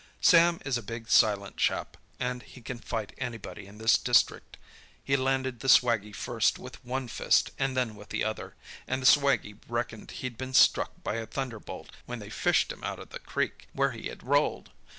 Sam is a big, silent chap, and he can fight anybody in this district. He landed the swaggie first with one fist and then with the other, and the swaggie reckoned he'd been struck by a thunderbolt when they fished him out of the creek, where he had rolled!